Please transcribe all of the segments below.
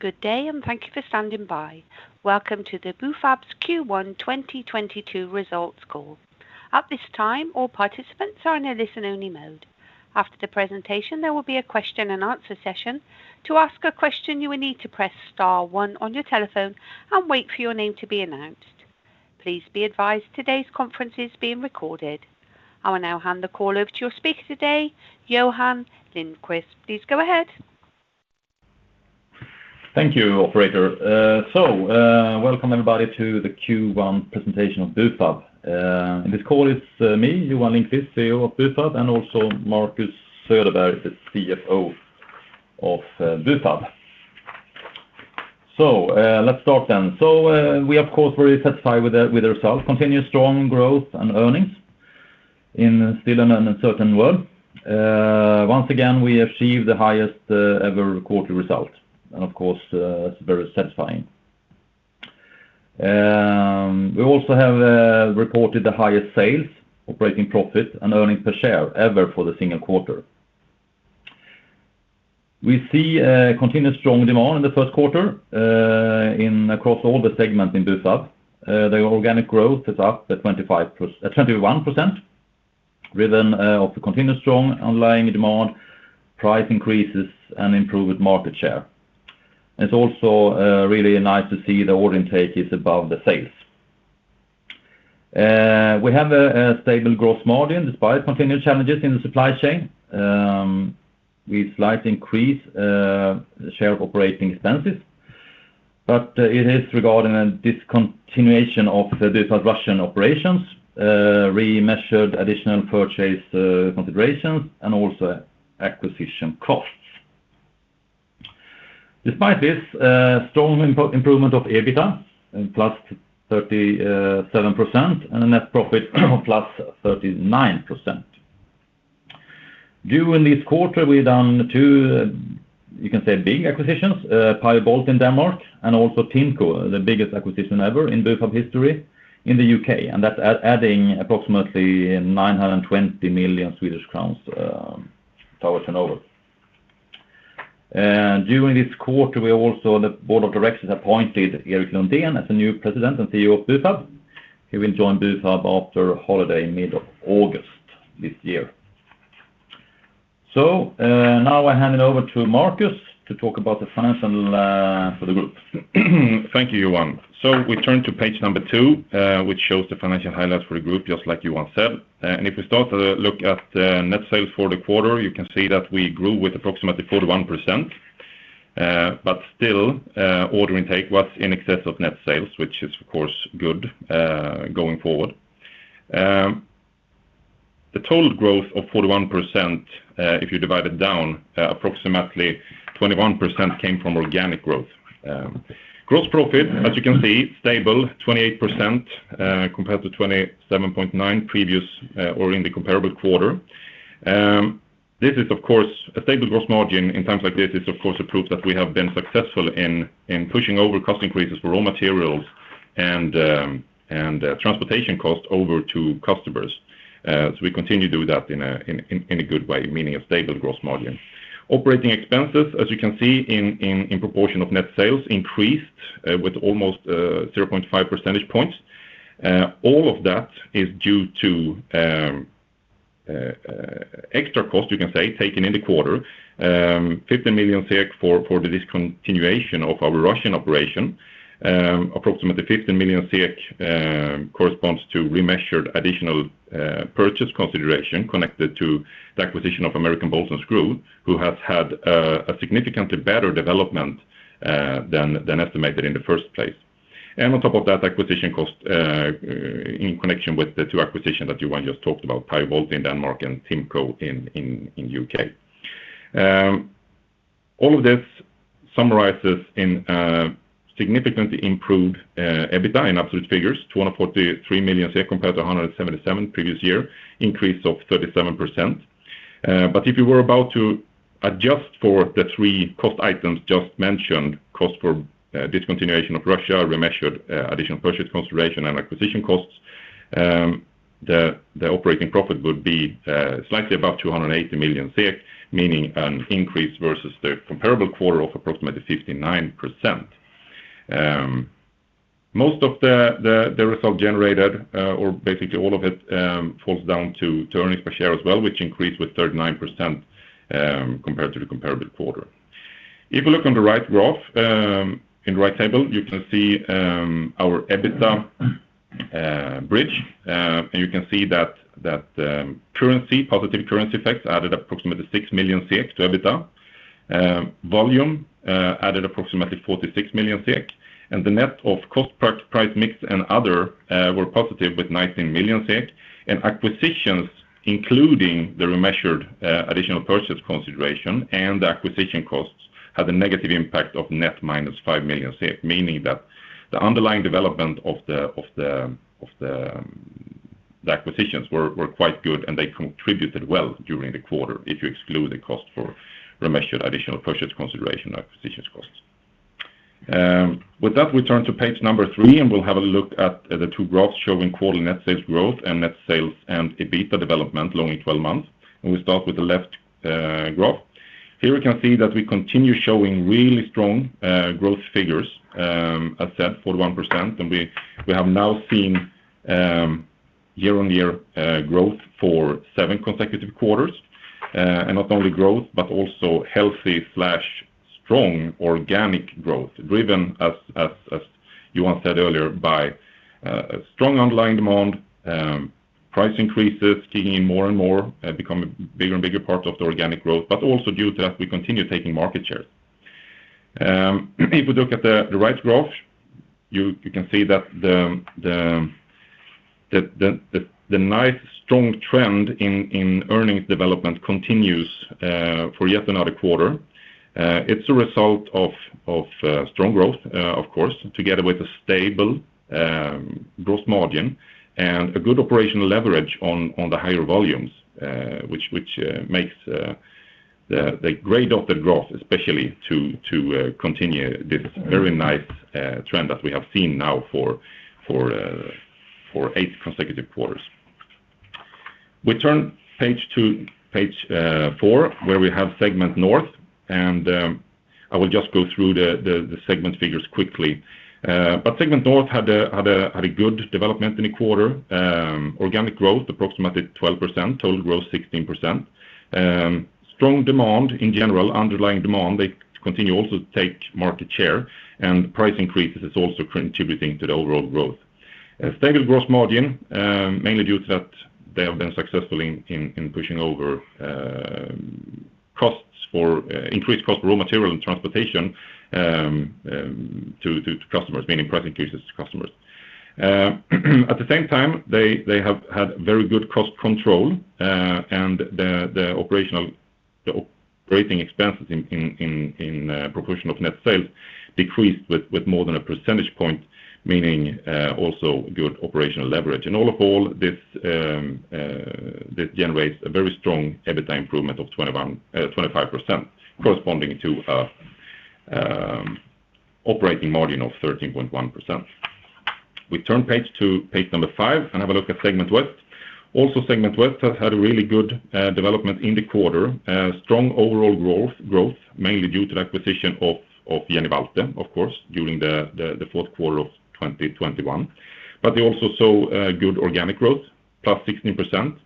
Good day and thank you for standing by. Welcome to Bufab's Q1 2022 results call. At this time, all participants are in a listen-only mode. After the presentation, there will be a question-and-answer session. To ask a question, you will need to press star one on your telephone and wait for your name to be announced. Please be advised today's conference is being recorded. I will now hand the call over to your speaker today, Johan Lindqvist. Please go ahead. Thank you, operator. Welcome everybody to the Q1 presentation of Bufab. In this call, it's me, Johan Lindqvist, CEO of Bufab, and also Marcus Söderberg, the CFO of Bufab. Let's start then. We of course very satisfied with the results. Continuous strong growth and earnings in still an uncertain world. Once again, we achieved the highest ever quarterly result, and of course, it's very satisfying. We also have reported the highest sales, operating profit, and Earnings Per Share ever for the single quarter. We see continuous strong demand in the first quarter across all the segments in Bufab. The organic growth is up by 21%, driven by the continuous strong underlying demand, price increases, and improved market share. It's really nice to see the order intake is above the sales. We have a stable gross margin despite continued challenges in the supply chain, with a slight increase in share of operating expenses. It is regarding a discontinuation of the Bufab Russian operations, remeasured additional purchase considerations, and also acquisition costs. Despite this, strong improvement of EBITDA and +37% and a net profit of +39%. During this quarter, we've done two, you can say, big acquisitions, Pajo-Bolte in Denmark and also TIMCO, the biggest acquisition ever in Bufab history in the U.K., and that's adding approximately 920 million SEK towards turnover. During this quarter, we also the Board of Directors appointed Erik Lundén as the new President and CEO of Bufab, who will join Bufab after holiday in middle August this year. Now I hand it over to Marcus to talk about the financials for the group. Thank you, Johan. We turn to page number two, which shows the financial highlights for the group, just like Johan said. If we start to look at net sales for the quarter, you can see that we grew with approximately 41%. Order intake was in excess of net sales, which is of course good going forward. The total growth of 41%, if you divide it down, approximately 21% came from organic growth. Gross profit, as you can see, stable, 28%, compared to 27.9 previous, or in the comparable quarter. This is of course a stable gross margin in times like this is of course a proof that we have been successful in pushing over cost increases for raw materials and transportation costs over to customers. We continue to do that in a good way, meaning a stable gross margin. Operating expenses, as you can see in proportion of net sales increased with almost 0.5 percentage points. All of that is due to extra cost, you can say, taken in the quarter. 15 million SEK for the discontinuation of our Russian operation. Approximately 15 million SEK corresponds to remeasured additional purchase consideration connected to the acquisition of American Bolt & Screw, who has had a significantly better development than estimated in the first place. On top of that, acquisition cost in connection with the two acquisitions that Johan just talked about, Pajo-Bolte in Denmark and TIMCO in U.K. All of this summarizes in significantly improved EBITDA in absolute figures, 243 million compared to 177 million previous year, increase of 37%. If you were about to adjust for the three cost items just mentioned, cost for discontinuation of Russia, remeasured additional purchase consideration, and acquisition costs, the operating profit would be slightly above 280 million SEK, meaning an increase versus the comparable quarter of approximately 59%. Most of the result generated or basically all of it falls down to Earnings Per Share as well, which increased with 39%, compared to the comparable quarter. If you look on the right graph in the right table, you can see our EBITDA bridge. You can see that positive currency effects added approximately 6 million SEK to EBITDA. Volume added approximately 46 million SEK. The net of cost price mix and other were positive with 19 million SEK. Acquisitions, including the remeasured additional purchase consideration and the acquisition costs, had a negative impact of net -5 million SEK, meaning that the underlying development of the acquisitions were quite good and they contributed well during the quarter if you exclude the cost for remeasured additional purchase consideration and acquisitions costs. With that we turn to page three, and we'll have a look at the two graphs showing quarter net sales growth and net sales and EBITDA development along in 12 months. We start with the left graph. Here we can see that we continue showing really strong growth figures, as said, 41%. We have now seen year-on-year growth for seven consecutive quarters. Not only growth but also healthy strong organic growth, driven as Johan said earlier, by a strong underlying demand, price increases, kicking in more and more, becoming bigger and bigger part of the organic growth, but also due to that we continue taking market share. If we look at the right graph, you can see that the nice strong trend in earnings development continues for yet another quarter. It's a result of strong growth, of course, together with a stable gross margin and a good operational leverage on the higher volumes, which makes the grade of the growth especially to continue this very nice trend that we have seen now for eight consecutive quarters. We turn page to page four, where we have Segment North, and I will just go through the segment figures quickly. Segment North had a good development in the quarter. Organic growth approximately 12%, total growth 16%. Strong demand in general, underlying demand, they continue also to take market share and price increases is also contributing to the overall growth. A stable gross margin, mainly due to that they have been successful in pushing over costs for increased cost for raw material and transportation to customers, meaning price increases to customers. At the same time, they have had very good cost control, and the operating expenses in proportion of net sales decreased with more than a percentage point, meaning also good operational leverage. In all, this generates a very strong EBITDA improvement of 25% corresponding to a operating margin of 13.1%. We turn page to page number five and have a look at Segment West. Also Segment West has had a really good development in the quarter. Strong overall growth, mainly due to the acquisition of Jenny | Waltle, of course, during the fourth quarter of 2021. But they also saw good organic growth, +16%.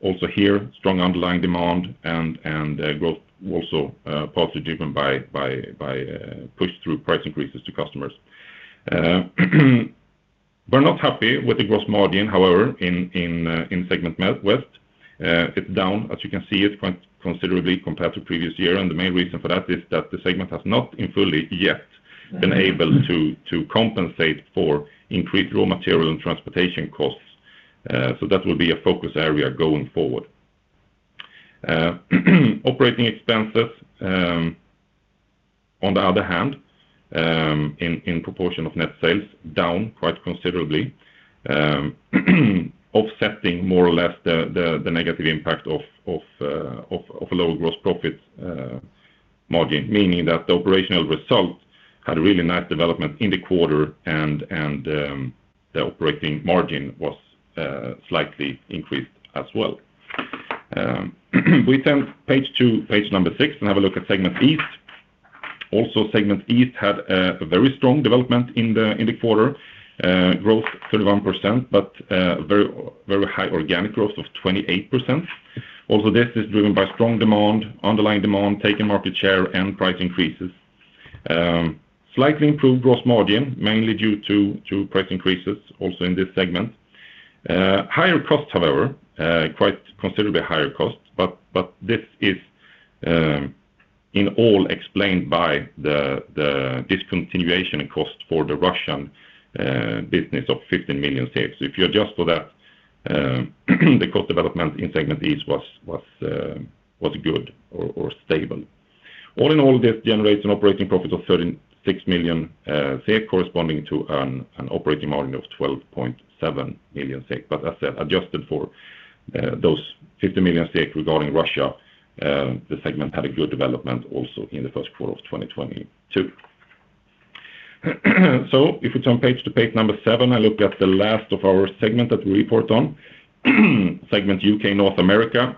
Also here, strong underlying demand and growth also, partly driven by pass-through price increases to customers. We're not happy with the gross margin, however, in Segment West. It's down, as you can see, quite considerably compared to previous year. The main reason for that is that the segment has not yet fully been able to compensate for increased raw material and transportation costs. That will be a focus area going forward. Operating expenses, on the other hand, in proportion of net sales, down quite considerably, offsetting more or less the negative impact of low gross profit margin, meaning that the operational results had a really nice development in the quarter and the operating margin was slightly increased as well. We turn page to page number six and have a look at Segment East. Also Segment East had a very strong development in the quarter. Growth 31%, but very high organic growth of 28%. Also this is driven by strong demand, underlying demand, taking market share and price increases. Slightly improved gross margin, mainly due to price increases also in this segment. Higher costs, however, quite considerably higher costs, but this is in all explained by the discontinuation cost for the Russian business of 15 million SEK. If you adjust for that, the cost development in Segment East was good or stable. All in all, this generates an operating profit of 36 million SEK corresponding to an operating margin of 12.7 million SEK. As said, adjusted for those 50 million SEK regarding Russia, the segment had a good development also in the first quarter of 2022. If we turn page to page number seven, I look at the last of our segment that we report on, Segment U.K./North America.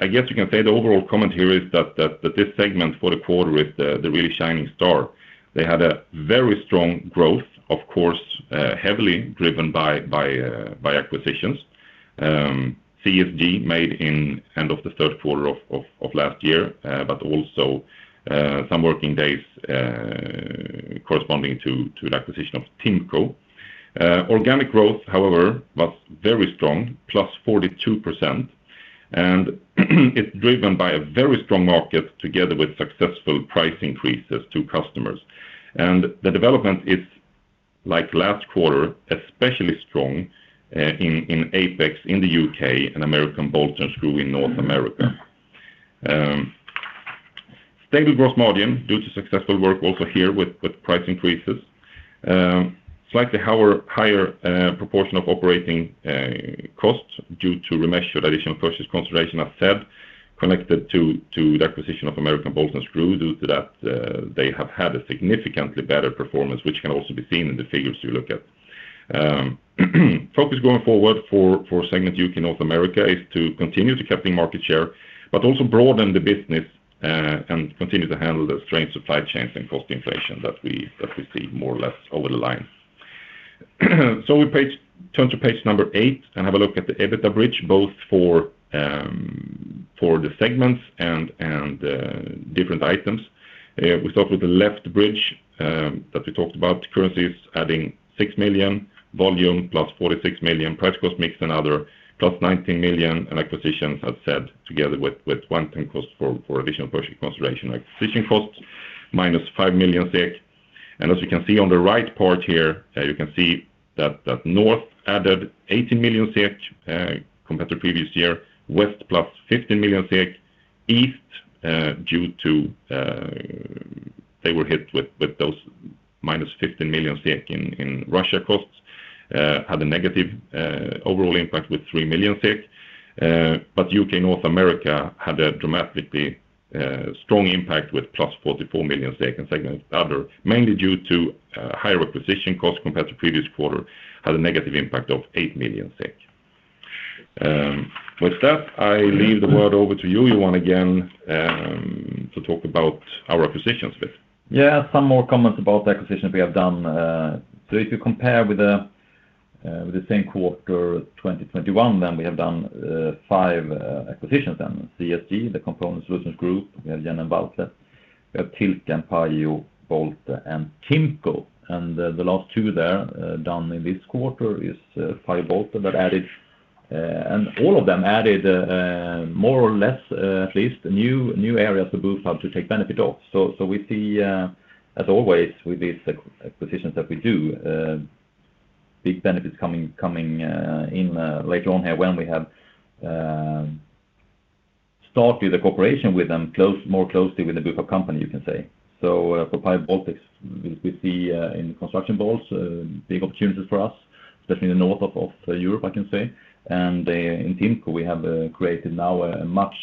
I guess you can say the overall comment here is that this segment for the quarter is the really shining star. They had a very strong growth, of course, heavily driven by acquisitions. CSG, made at the end of the third quarter of last year, but also some working days corresponding to the acquisition of TIMCO. Organic growth, however, was very strong, +42%. It's driven by a very strong market together with successful price increases to customers. The development is, like last quarter, especially strong in Apex in the U.K. and American Bolt & Screw in North America. Stable gross margin due to successful work also here with price increases. Slightly higher proportion of operating costs due to remeasure additional purchase consideration, as said, connected to the acquisition of American Bolt & Screw. Due to that, they have had a significantly better performance, which can also be seen in the figures you look at. Focus going forward for Segment U.K./North America is to continue to capture market share but also broaden the business and continue to handle the strained supply chains and cost inflation that we see more or less over the line. Turn to page number eight and have a look at the EBITDA bridge, both for the segments and different items. We start with the left bridge that we talked about. Currencies adding 6 million volume, plus 46 million price, cost mix and other, plus 19 million in acquisitions, as said, together with one-time costs for additional purchase consideration like financing costs, minus 5 million. As you can see on the right part here, you can see that North added 18 million compared to previous year, West +15 million. East, due to they were hit with those -15 million SEK in Russia costs, had a negative overall impact with 3 million SEK. But U.K. and North America had a dramatically strong impact with +44 million in Segment Other, mainly due to higher acquisition costs compared to previous quarter, had a negative impact of 8 million SEK. With that, I leave the word over to you, Johan, again, to talk about our acquisitions a bit. Yeah, some more comments about the acquisitions we have done. If you compare with the same quarter 2021, then we have done five acquisitions then. CSG, the Component Solutions Group, we have Jenny | Waltle. We have Tilka and Pajo-Bolte and TIMCO. The last two there done in this quarter is Pajo-Bolte that added, and all of them added more or less at least new areas for Bufab to take benefit of. So, we see, as always with these acquisitions that we do, big benefits coming in later on here when we have started the cooperation with them more closely with the Bufab company you can say. For Pajo-Bolte, we see in construction bolts big opportunities for us, especially in the north of Europe I can say. In TIMCO we have created now a much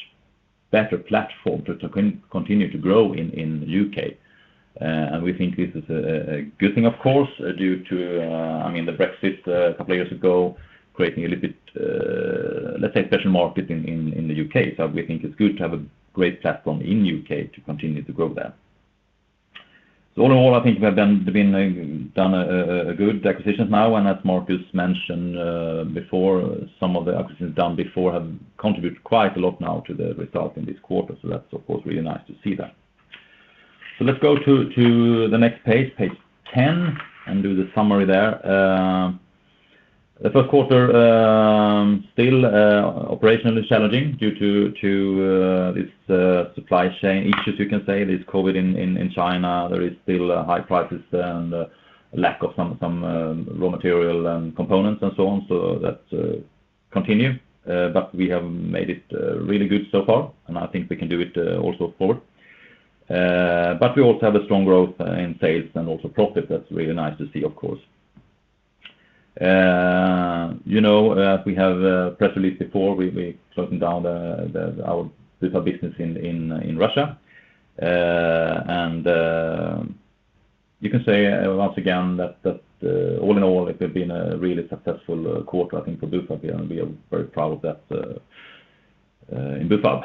better platform to continue to grow in the U.K. We think this is a good thing of course, due to I mean, the Brexit a couple years ago creating a little bit, let's say special market in the U.K. We think it's good to have a great platform in U.K. to continue to grow there. All in all I think we have done a good acquisitions now and as Marcus mentioned before, some of the acquisitions done before have contributed quite a lot now to the result in this quarter. That's of course really nice to see that. Let's go to the next page ten, and do the summary there. The first quarter still operationally challenging due to this supply chain issues you can say, this COVID in China. There is still high prices and lack of some raw material and components and so on. That continue. We have made it really good so far and I think we can do it also forward. We also have a strong growth in sales and also profit. That's really nice to see of course. You know, we have press release before we closing down our Bufab business in Russia. You can say once again that all in all it has been a really successful quarter I think for Bufab here, and we are very proud of that in Bufab.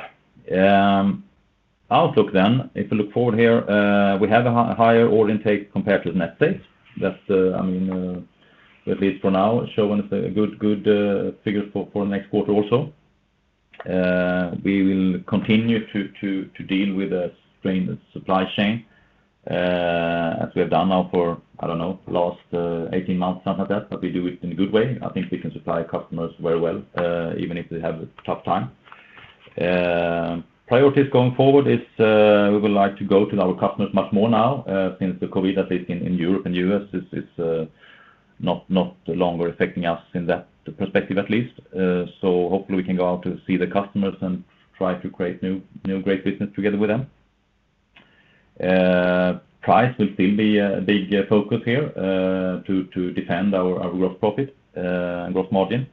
Outlook. If you look forward here, we have a higher order intake compared to the net sales. That's I mean at least for now showing us a good figures for next quarter also. We will continue to deal with a strained supply chain as we have done now for I don't know last 18 months something like that, but we do it in a good way. I think we can supply customers very well even if they have a tough time. Priorities going forward is we would like to go to our customers much more now since the COVID at least in Europe and U.S. is no longer affecting us in that perspective at least. Hopefully we can go out to see the customers and try to create new great business together with them. Price will still be a big focus here to defend our gross profit and gross margin.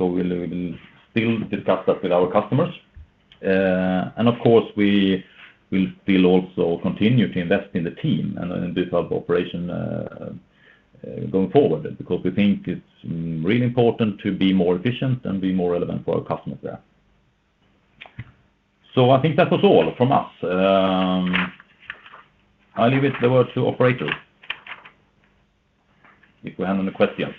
We'll still discuss that with our customers. Of course we will still also continue to invest in the team and in Bufab operation going forward because we think it's really important to be more efficient and be more relevant for our customers there. I think that was all from us. I leave the floor to the operators if we have any questions.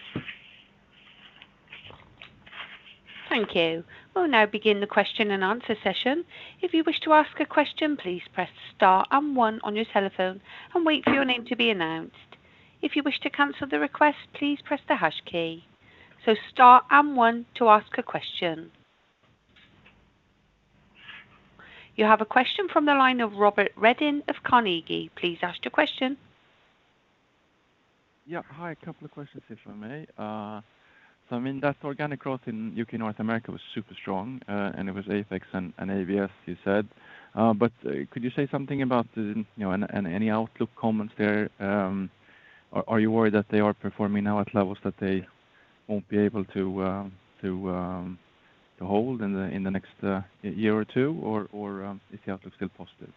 Thank you. We'll now begin the question-and-answer session. If you wish to ask a question, please press star and one on your telephone and wait for your name to be announced. If you wish to cancel the request, please press the hash key. Star and one to ask a question. You have a question from the line of Robert Redin of Carnegie. Please ask your question. Yeah. Hi, a couple of questions, if I may. So I mean, that organic growth in U.K., North America was super strong, and it was Apex and ABS, you said. But could you say something about the, you know, and any outlook comments there? Are you worried that they are performing now at levels that they won't be able to to hold in the next year or two? Or is the outlook still positive?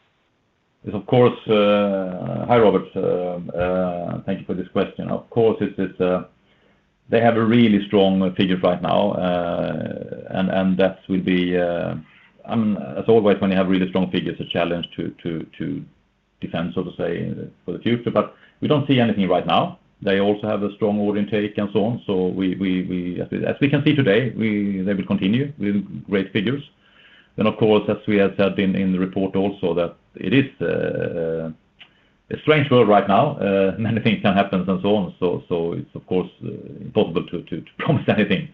Yes, of course. Hi, Robert. Thank you for this question. Of course, it is. They have a really strong figures right now. That will be, as always, when you have really strong figures, a challenge to defend, so to say, for the future, but we don't see anything right now. They also have a strong order intake and so on. As we can see today, they will continue with great figures. Of course, as we have said in the report also that it is a strange world right now, many things can happen and so on. It's of course impossible to promise anything.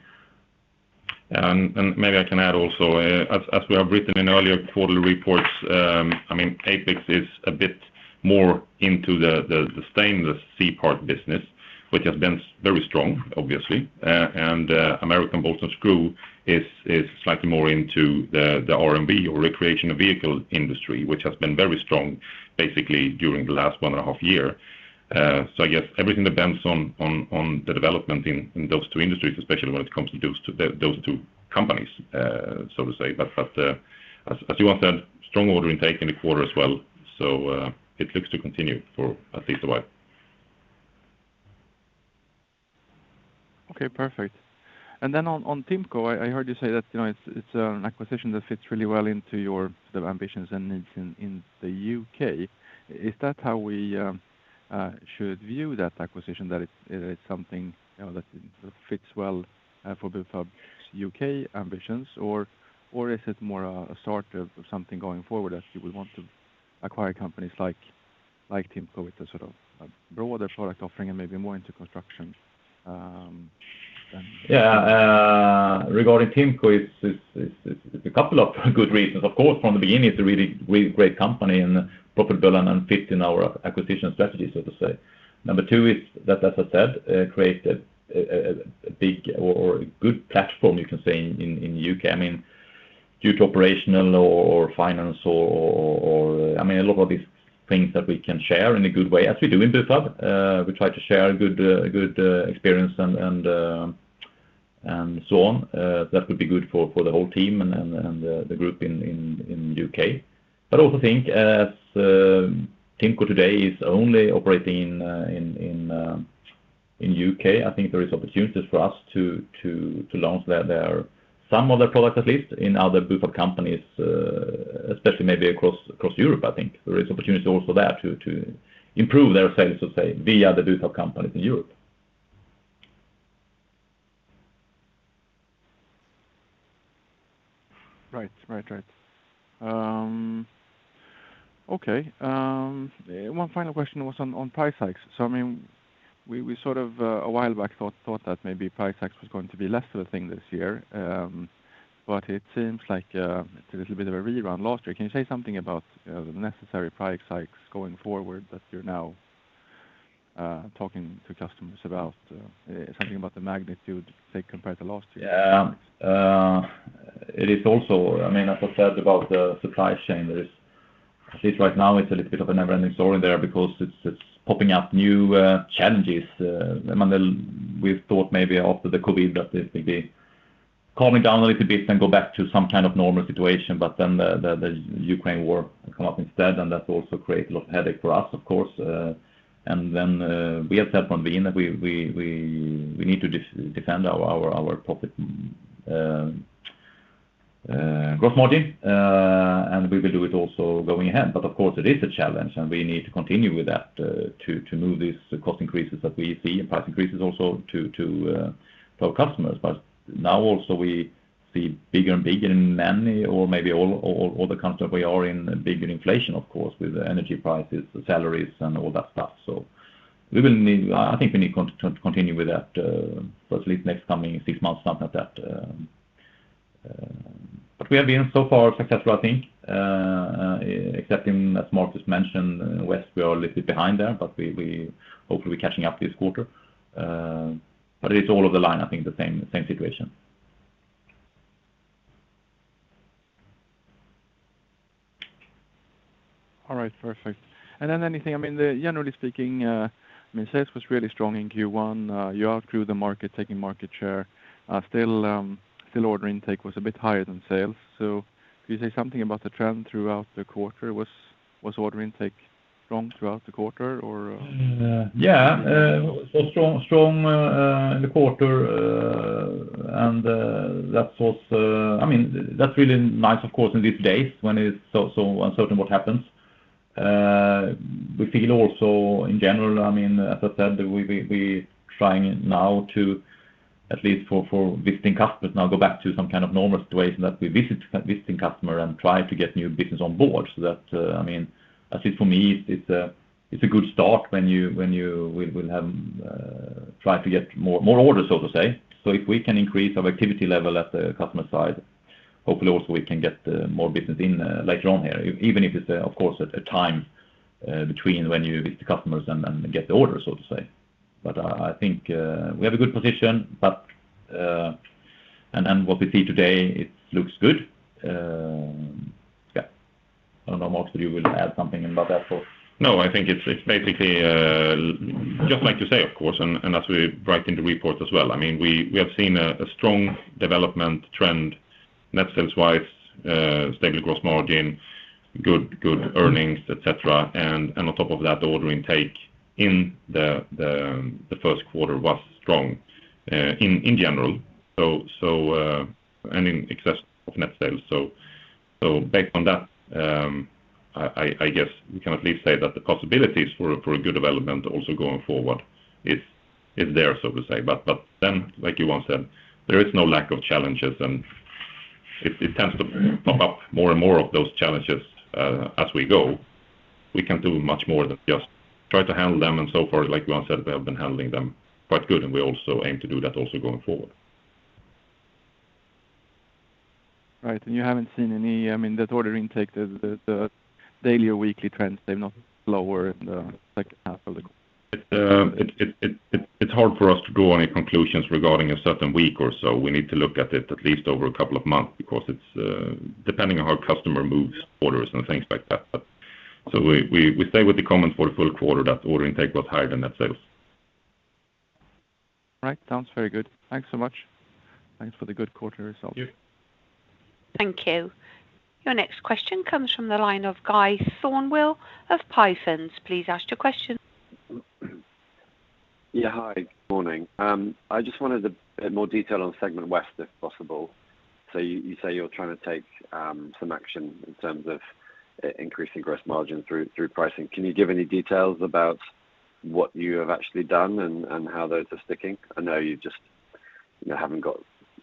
Maybe I can add also. As we have written in earlier quarterly reports, I mean, Apex is a bit more into the stainless C-part business, which has been very strong, obviously. American Bolt & Screw is slightly more into the RV or Recreational Vehicle industry, which has been very strong basically during the last one and a half years. I guess everything depends on the development in those two industries, especially when it comes to those two companies, so to say. As Johan said, strong order intake in the quarter as well, so it looks to continue for at least a while. Okay, perfect. Then on TIMCO, I heard you say that, you know, it's an acquisition that fits really well into your sort of ambitions and needs in the U.K. Is that how we should view that acquisition? That it's something, you know, that fits well for Bufab's U.K. ambitions, or is it more a start of something going forward, as you would want to acquire companies like TIMCO with a sort of a broader product offering and maybe more into construction? Yeah. Regarding TIMCO, it's a couple of good reasons. Of course, from the beginning, it's a really great company and profitable and fits in our acquisition strategy, so to say. Number two is that, as I said, it creates a big or a good platform, you can say, in the U.K. I mean, due to operational or financial, I mean, a lot of these things that we can share in a good way as we do in Bufab. We try to share good experience and so on. That would be good for the whole team and the group in the U.K. I also think as TIMCO today is only operating in U.K., I think there is opportunities for us to launch some of their product, at least, in other Bufab companies, especially maybe across Europe, I think. There is opportunity also there to improve their sales, let's say, via the Bufab companies in Europe. Right. Okay. One final question was on price hikes. I mean, we sort of a while back thought that maybe price hikes was going to be less of a thing this year, but it seems like it's a little bit of a rerun last year. Can you say something about the necessary price hikes going forward that you're now talking to customers about? Something about the magnitude, say, compared to last year? It is also. I mean, as I said about the supply chain, there is I think right now it's a little bit of a never-ending story there because it's popping up new challenges. I mean, we thought maybe after the COVID that it may be calming down a little bit, then go back to some kind of normal situation, but then the Ukraine war come up instead, and that also create a lot of headache for us, of course. We have said from the beginning that we need to defend our profit growth margin, and we will do it also going ahead. Of course, it is a challenge, and we need to continue with that to move these cost increases that we see and price increases also to our customers. Now also we see bigger and bigger in many or maybe all countries we are in, bigger inflation, of course, with the energy prices, the salaries and all that stuff. We will need, I think, to continue with that for at least next coming six months, something like that. We have been so far successful, I think, except in, as Marcus mentioned, West, we are a little bit behind there, but we hopefully catching up this quarter. It is all in line, I think, the same situation. All right, perfect. Then anything, I mean, generally speaking, I mean, sales was really strong in Q1. You outgrew the market, taking market share. Still, order intake was a bit higher than sales. Can you say something about the trend throughout the quarter? Was order intake strong throughout the quarter or So strong in the quarter. I mean, that's really nice, of course, in these days when it's so uncertain what happens. We feel also, in general, I mean, as I said, we trying now to, at least for visiting customers now, go back to some kind of normal situation that we visit customer and try to get new business on board. I mean, at least for me, it's a good start. We have try to get more orders, so to say. If we can increase our activity level at the customer side, hopefully also we can get more business in later on here. Even if it's, of course, at a time, between when you meet the customers and get the order, so to say. I think we have a good position, but what we see today, it looks good. Yeah. I don't know, Marcus, whether you will add something about that or? No, I think it's basically just like you say, of course, and as we write in the report as well. I mean, we have seen a strong development trend net sales wise, stable gross margin, good earnings, et cetera. On top of that, order intake in the first quarter was strong, in general, and in excess of net sales. Based on that, I guess we can at least say that the possibilities for a good development also going forward is there, so to say. Then like Johan said, there is no lack of challenges, and it tends to pop up more and more of those challenges, as we go. We can do much more than just try to handle them. So far, like Johan said, we have been handling them quite good, and we also aim to do that also going forward. Right. You haven't seen any. I mean, that order intake, the daily or weekly trends, they're not lower in the second half of the- It's hard for us to draw any conclusions regarding a certain week or so. We need to look at it at least over a couple of months because it's depending on how customers move orders and things like that. We stay with the comment for the full quarter that order intake was higher than net sales. Right. Sounds very good. Thanks so much. Thanks for the good quarter results. Yeah. Thank you. Your next question comes from the line of Guy Thornewill of Pie Funds. Please ask your question. Yeah. Hi. Morning. I just wanted a bit more detail on Segment West, if possible. You say you're trying to take some action in terms of increasing gross margin through pricing. Can you give any details about what you have actually done and how those are sticking? I know you just, you know, haven't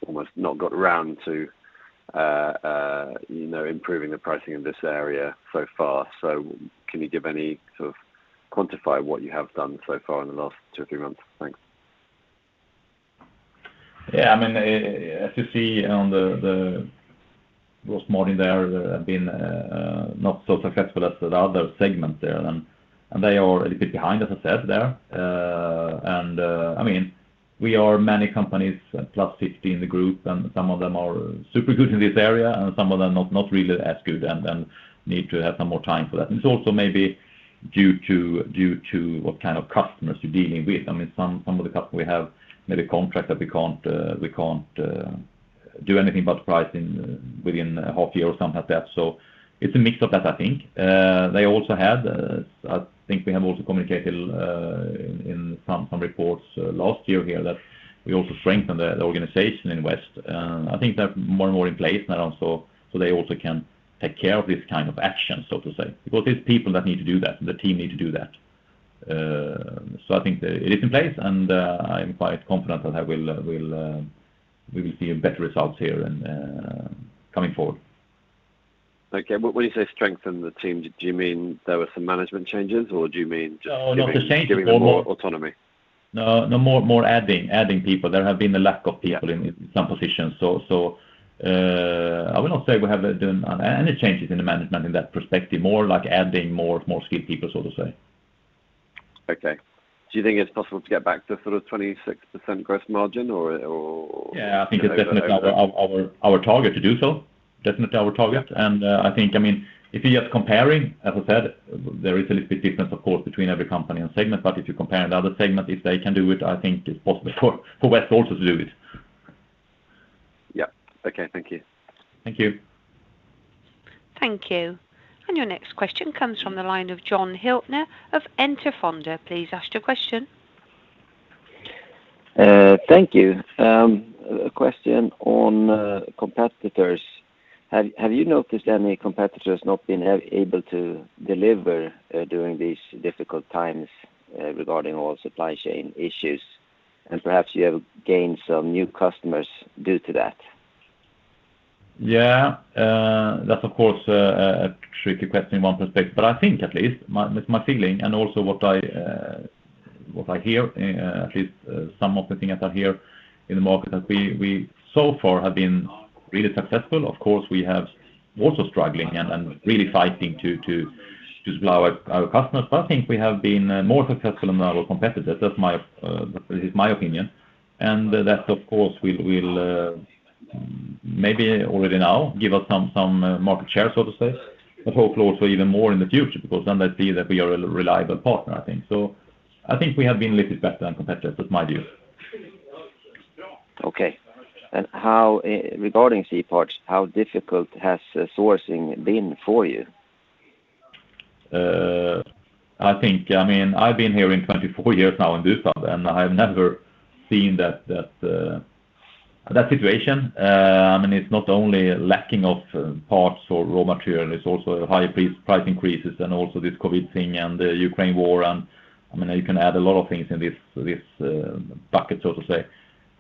almost got round to improving the pricing in this area so far. Can you give any sort of quantify what you have done so far in the last two-three months? Thanks. Yeah. I mean, as you see on the gross margin there have been not so successful as the other segment there. They are a little bit behind, as I said there. I mean, we are many companies, plus 50 in the group, and some of them are super good in this area and some of them not really as good and need to have some more time for that. It's also maybe due to what kind of customers you're dealing with. I mean, some of the customers we have made a contract that we can't do anything about pricing within a half year or something like that. It's a mix of that, I think. I think we have also communicated in some reports last year here that we also strengthened the organization in West. I think they're more and more in place now, so they also can take care of this kind of action, so to say, because it's people that need to do that, the team need to do that. I think that it is in place and I'm quite confident that we will see a better results here and coming forward. Okay. When you say strengthen the team, do you mean there were some management changes or do you mean just giving? No change at all, but giving them more autonomy? No, more adding people. There have been a lack of people in some positions. I would not say we have done any changes in the management in that perspective, more like adding more skilled people, so to say. Okay. Do you think it's possible to get back to sort of 26% gross margin or? Yeah, I think it's definitely our target to do so. Definitely our target. I think, I mean, if you're just comparing, as I said, there is a little bit difference of course between every company and segment, but if you compare another segment, if they can do it, I think it's possible for West also to do it. Yeah. Okay. Thank you. Thank you. Thank you. Your next question comes from the line of Johan Hiltner of Enter Fonder. Please ask your question. Thank you. A question on competitors. Have you noticed any competitors not been able to deliver during these difficult times regarding all supply chain issues? Perhaps you have gained some new customers due to that. Yeah. That's of course a tricky question in one perspective, but I think at least, it's my feeling and also what I hear, at least, some of the things that I hear in the market, that we so far have been really successful. Of course, we have also struggling and really fighting to supply our customers. I think we have been more successful than our competitors. That is my opinion. That of course will maybe already now give us some market share, so to say. Hopefully also even more in the future because then they see that we are a reliable partner, I think. I think we have been little bit better than competitors. That's my view. Okay. How, regarding C-parts, how difficult has sourcing been for you? I think, I mean, I've been here 24 years now in Bufab, and I've never seen that situation. I mean, it's not only lacking of parts or raw material, it's also high price increases and also this COVID thing and the Ukraine war. I mean, you can add a lot of things in this bucket, so to say.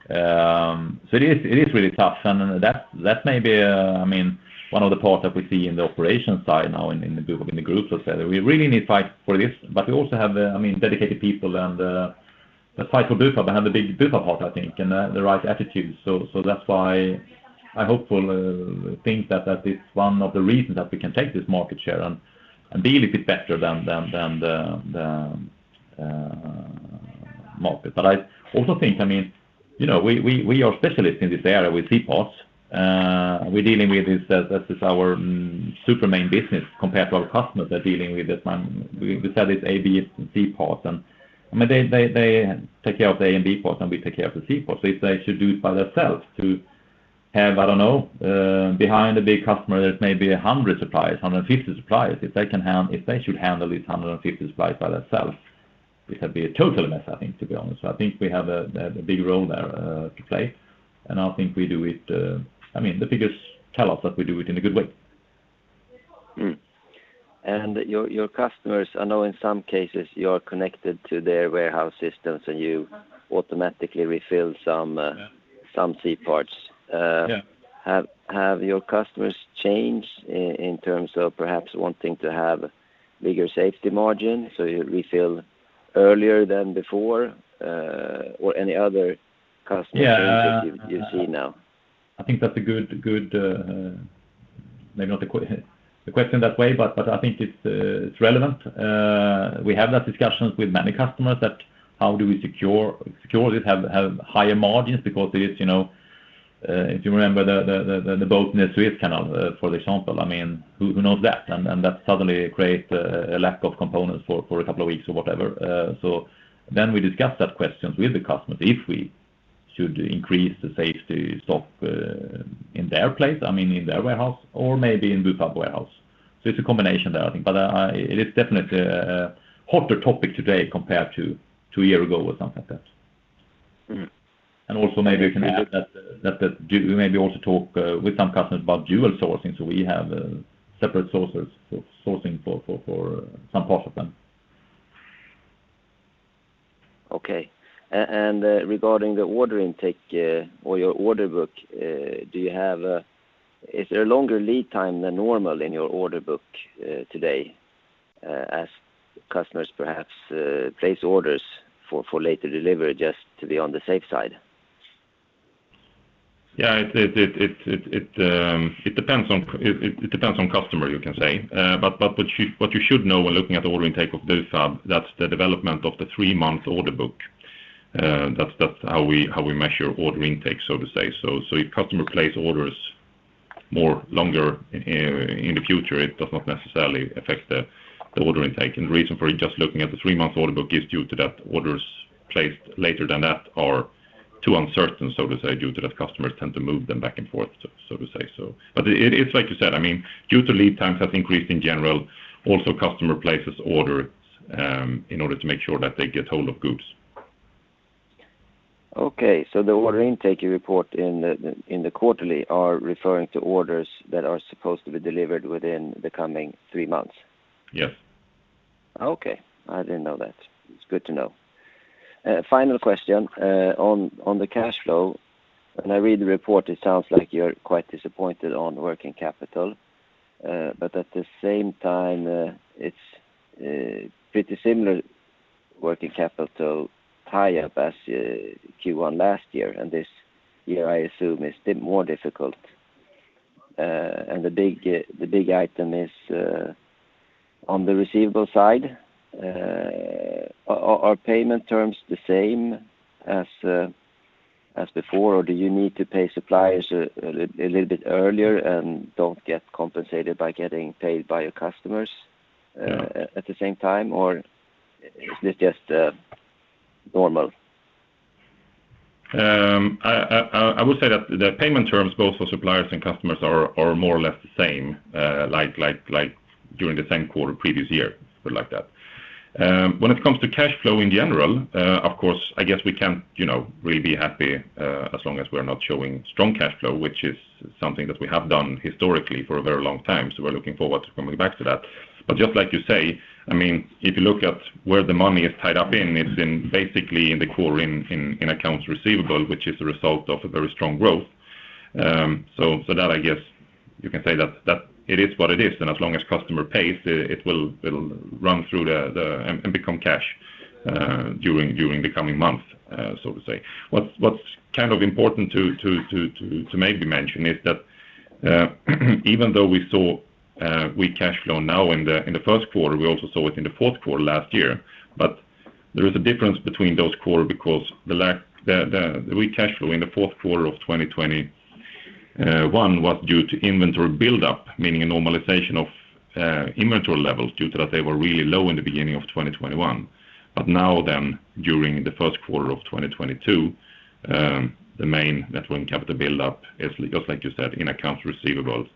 It is really tough. That may be, I mean- One of the parts that we see in the operation side now in the Bufab group, let's say, that we really need fight for this, but we also have the, I mean, dedicated people and that fight for Bufab and have the big Bufab heart, I think, and the right attitude. That's why I'm hopeful, I think, that it's one of the reasons that we can take this market share and be a little bit better than the market. I also think, I mean, you know, we are specialists in this area with C-parts. We're dealing with this as is our super main business compared to our customers are dealing with this one. We sell this A, B, and C-parts, and I mean, they take care of the A and B parts, and we take care of the C-parts. If they should do it by themselves to have, I don't know, behind a big customer, there's maybe 100 suppliers, 150 suppliers. If they should handle these 150 suppliers by themselves, it could be a total mess, I think, to be honest. I think we have a big role there to play, and I think we do it. I mean, the figures tell us that we do it in a good way. Your customers, I know in some cases you are connected to their warehouse systems, and you automatically refill some. Yeah some C-parts. Yeah Have your customers changed in terms of perhaps wanting to have bigger safety margin, so you refill earlier than before, or any other customer changes? Yeah. you see now? I think that's a good maybe not a question that way, but I think it's relevant. We have those discussions with many customers that how do we secure it, have higher margins because it is, you know, if you remember the boat in the Suez Canal, for example. I mean, who knows that? That suddenly creates a lack of components for a couple of weeks or whatever. We discuss those questions with the customers if we should increase the safety stock in their place, I mean, in their warehouse, or maybe in Bufab warehouse. It's a combination there, I think. It is definitely a hotter topic today compared to two years ago or something like that. Mm-hmm. Also maybe we can add that we maybe also talk with some customers about dual sourcing, so we have separate sources for sourcing for some parts of them. Okay. Regarding the order intake or your order book, is there a longer lead time than normal in your order book today, as customers perhaps place orders for later delivery just to be on the safe side? Yeah. It depends on customer, you can say. But what you should know when looking at the order intake of Bufab, that's the development of the three-month order book. That's how we measure order intake, so to say. If customer place orders more longer in the future, it does not necessarily affect the order intake. The reason for just looking at the three-month order book is due to that orders placed later than that are too uncertain, so to say, due to that customers tend to move them back and forth, so to say. It's like you said, I mean, due to lead times have increased in general, also customer places orders, in order to make sure that they get hold of goods. Okay. The order intake you report in the quarterly are referring to orders that are supposed to be delivered within the coming three months? Yeah. Okay. I didn't know that. It's good to know. Final question on the cash flow. When I read the report, it sounds like you're quite disappointed on working capital. But at the same time, it's pretty similar working capital tie-up as Q1 last year, and this year, I assume, is more difficult. And the big item is on the receivable side. Are payment terms the same as before, or do you need to pay suppliers a little bit earlier and don't get compensated by getting paid by your customers? Yeah at the same time, or is this just normal? I would say that the payment terms both for suppliers and customers are more or less the same, like during the same quarter previous year, sort of like that. When it comes to cash flow in general, of course, I guess we can't, you know, really be happy, as long as we're not showing strong cash flow, which is something that we have done historically for a very long time. We're looking forward to coming back to that. Just like you say, I mean, if you look at where the money is tied up in, it's basically in the core accounts receivable, which is the result of a very strong growth. So that I guess you can say that it is what it is, and as long as customer pays, it will run through and become cash during the coming months, so to say. What's kind of important to maybe mention is that even though we saw weak cash flow now in the first quarter, we also saw it in the fourth quarter last year. There is a difference between those quarter because the weak cash flow in the fourth quarter of 2021 was due to inventory buildup, meaning a normalization of inventory levels due to that they were really low in the beginning of 2021. During the first quarter of 2022, the main net working capital buildup is just like you said, in accounts receivables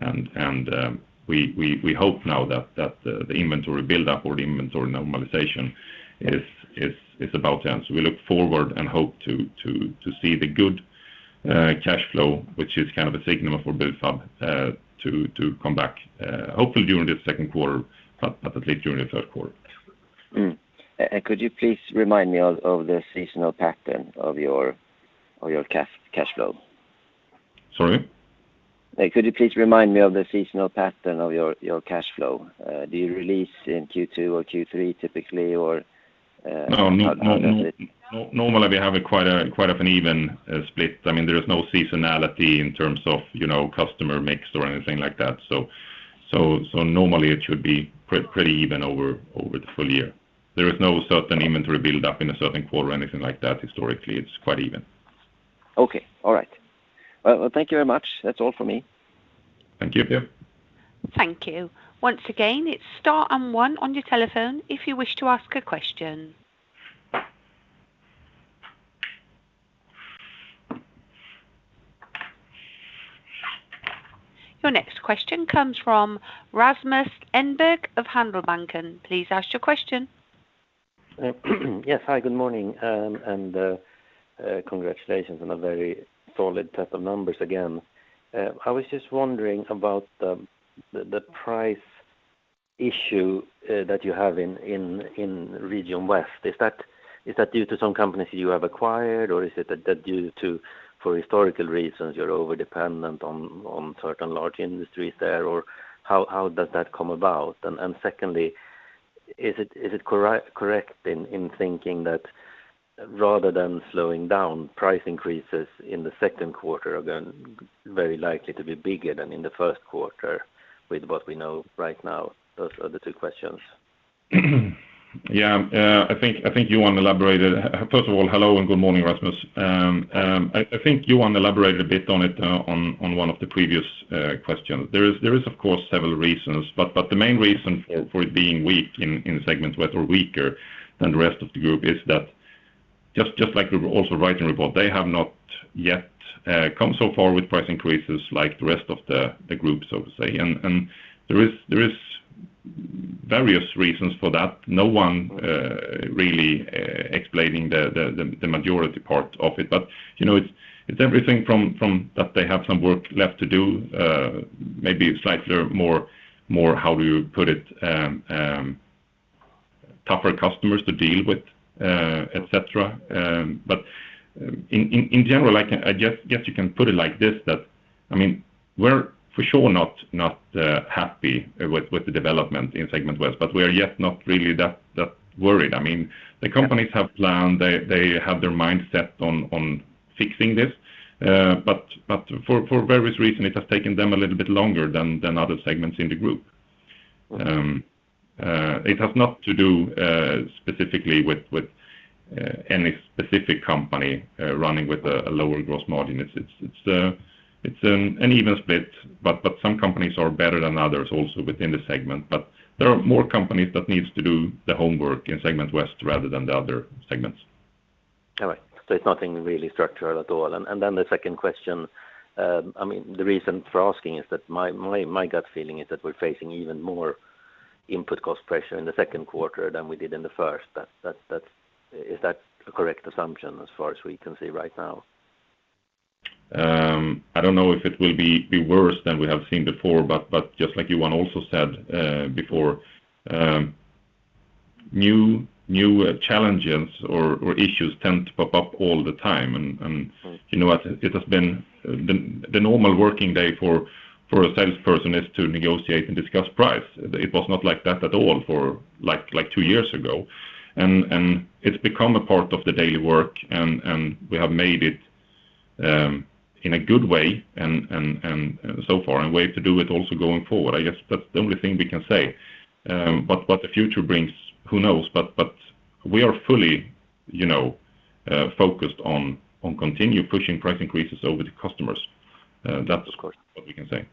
and we hope now that the inventory buildup or the inventory normalization is about done. We look forward and hope to see the good cash flow, which is kind of a signal for Bufab to come back hopefully during the second quarter, but at least during the third quarter. Could you please remind me of the seasonal pattern of your cash flow? Sorry? Could you please remind me of the seasonal pattern of your cash flow? Do you release in Q2 or Q3 typically, or how does it- No, normally we have it quite an even split. I mean, there is no seasonality in terms of, you know, customer mix or anything like that. Normally it should be pretty even over the full year. There is no certain inventory build-up in a certain quarter or anything like that historically. It's quite even. Okay. All right. Well, thank you very much. That's all for me. Thank you. Yeah. Thank you. Once again, it's star and one on your telephone if you wish to ask a question. Your next question comes from Rasmus Engberg of Handelsbanken. Please ask your question. Yes. Hi, good morning, and congratulations on a very solid set of numbers again. I was just wondering about the price issue that you have in Region West. Is that due to some companies you have acquired, or is it due to, for historical reasons, you're overdependent on certain large industries there, or how does that come about? Secondly, is it correct in thinking that rather than slowing down price increases in the second quarter are going very likely to be bigger than in the first quarter with what we know right now? Those are the two questions. I think you want elaborated. Hi, first of all, hello and good morning, Rasmus. I think Johan elaborated a bit on it, on one of the previous questions. There is of course several reasons, but the main reason for it being weak in Segment West or weaker than the rest of the group is that just like we also write in report, they have not yet come so far with price increases like the rest of the group, so to say. There is various reasons for that. No one really explaining the majority part of it. But you know, it's everything from that they have some work left to do, maybe slightly more, more how do you put it? Tougher customers to deal with, et cetera. In general, I guess you can put it like this, that I mean, we're for sure not happy with the development in Segment West, but we're yet not really that worried. I mean, the companies have planned, they have their mind set on fixing this. For various reasons, it has taken them a little bit longer than other segments in the group. Okay. It has not to do specifically with any specific company running with a lower gross margin. It's an even split, but some companies are better than others also within the segment. There are more companies that needs to do the homework in Segment West rather than the other segments. All right. It's nothing really structural at all. The second question, I mean, the reason for asking is that my gut feeling is that we're facing even more input cost pressure in the second quarter than we did in the first. Is that a correct assumption as far as we can see right now? I don't know if it will be worse than we have seen before, but just like Johan also said before, new challenges or issues tend to pop up all the time. Mm-hmm. You know what? It has been the normal working day for a salesperson is to negotiate and discuss price. It was not like that at all for like two years ago. It's become a part of the daily work and we have made it in a good way and so far a way to do it also going forward. I guess that's the only thing we can say. The future brings, who knows? We are fully you know focused on continue pushing price increases over the customers. That's what we can say.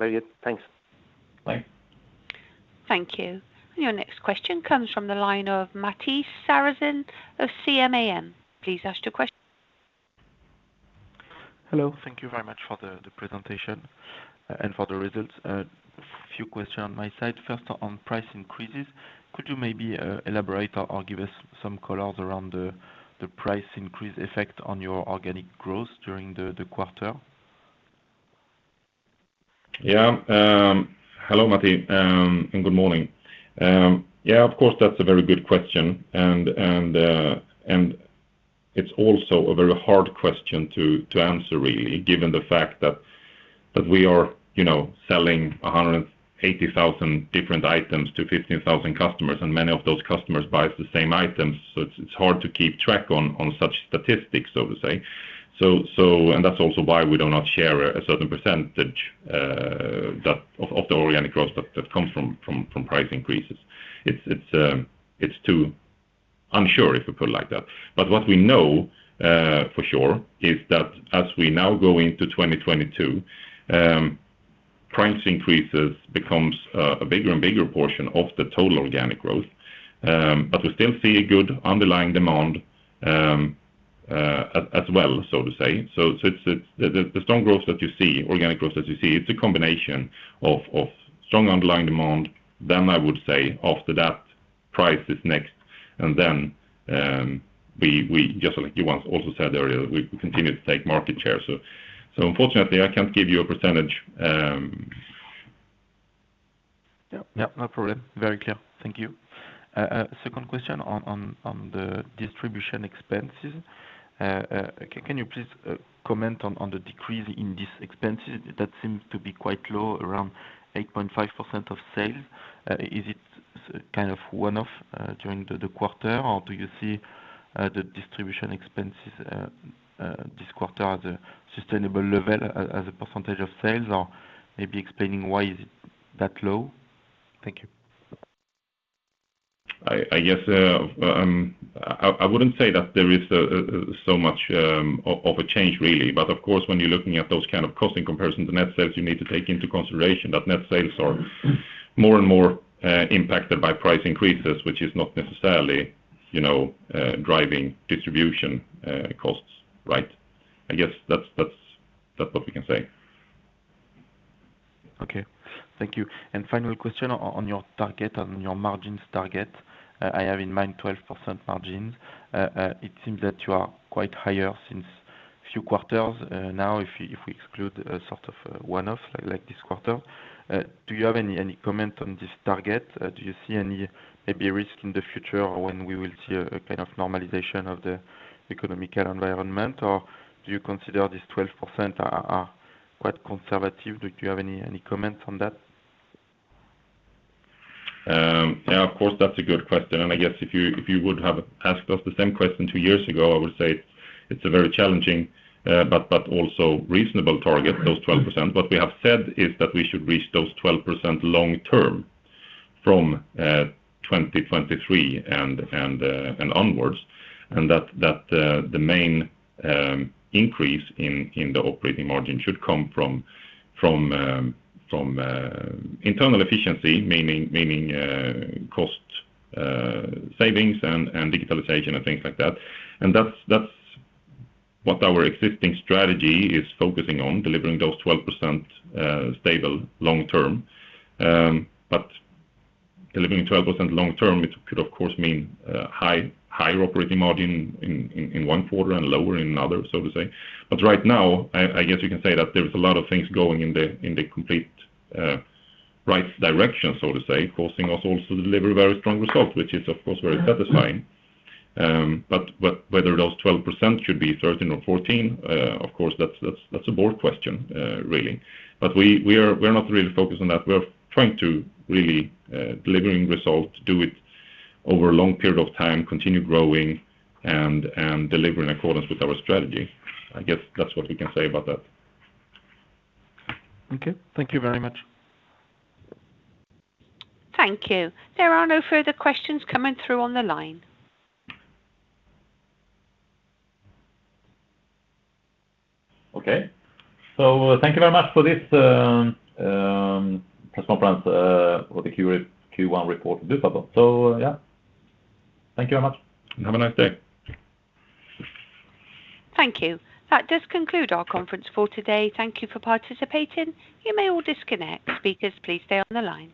Yes. Very good. Thanks. Bye. Thank you. Your next question comes from the line of Matthis Sarrazin of CMAM. Please ask your question. Hello. Thank you very much for the presentation and for the results. A few questions on my side. First on price increases. Could you maybe elaborate or give us some colors around the price increase effect on your organic growth during the quarter? Hello, Matthis, and good morning. Yeah, of course, that's a very good question. It's also a very hard question to answer really, given the fact that we are, you know, selling 180,000 different items to 15,000 customers, and many of those customers buys the same items. It's hard to keep track on such statistics, so to say. That's also why we do not share a certain percentage of the organic growth that comes from price increases. It's too unsure, if you put it like that. What we know for sure is that as we now go into 2022, price increases becomes a bigger and bigger portion of the total organic growth. We still see a good underlying demand, as well, so to say. It's the strong growth that you see, organic growth that you see, it's a combination of strong underlying demand, then I would say after that price is next. And then, we just like you once also said earlier, we continue to take market share. Unfortunately, I can't give you a percentage. Yeah, yeah. No problem. Very clear. Thank you. Second question on the distribution expenses. Can you please comment on the decrease in these expenses that seems to be quite low around 8.5% of sales? Is it kind of one-off during the quarter, or do you see the distribution expenses this quarter as a sustainable level as a percentage of sales? Maybe explaining why is it that low? Thank you. I guess I wouldn't say that there is so much of a change really. Of course, when you're looking at those kind of costing comparisons to net sales, you need to take into consideration that net sales are more and more impacted by price increases, which is not necessarily, you know, driving distribution costs. Right. I guess that's what we can say. Okay. Thank you. Final question on your target, on your margins target. I have in mind 12% margins. It seems that you are quite higher since few quarters. Now if we exclude sort of one-off like this quarter, do you have any comment on this target? Do you see any maybe risk in the future or when we will see a kind of normalization of the economic environment? Or do you consider this 12% are quite conservative? Do you have any comments on that? Yeah, of course, that's a good question. I guess if you would have asked us the same question two years ago, I would say it's a very challenging, but also reasonable target, those 12%. What we have said is that we should reach those 12% long term from 2023 and onwards. That the main increase in the operating margin should come from internal efficiency, meaning cost savings and digitalization and things like that. That's what our existing strategy is focusing on, delivering those 12% stable long term. Delivering 12% long term, it could of course mean higher operating margin in one quarter and lower in other, so to say. Right now, I guess you can say that there's a lot of things going in the completely right direction, so to say, causing us also to deliver very strong results, which is of course very satisfying. Whether those 12% should be 13% or 14%, of course, that's a board question, really. We're not really focused on that. We're trying to really delivering results, do it over a long period of time, continue growing and deliver in accordance with our strategy. I guess that's what we can say about that. Okay. Thank you very much. Thank you. There are no further questions coming through on the line. Thank you very much for this press conference for the Q1 report for Bufab. Yeah. Thank you very much. Have a nice day. Thank you. That does conclude our conference call today. Thank you for participating. You may all disconnect. Speakers, please stay on the line.